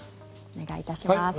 お願いいたします。